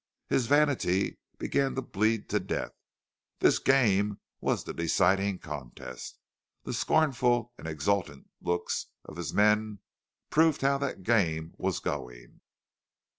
His vanity began to bleed to death. This game was the deciding contest. The scornful and exultant looks of his men proved how that game was going.